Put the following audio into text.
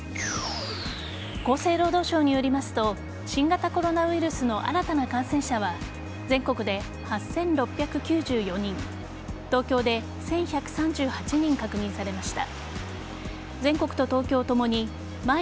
厚生労働省によりますと新型コロナウイルスの新たな感染者は全国で８６９４人東京・渋谷の街がレインボーカラーに染まりました。